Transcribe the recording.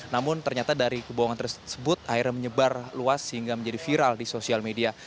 namun ternyata dari kebohongan tersebut akhirnya menyebar luas sehingga menjadi viral di sosial media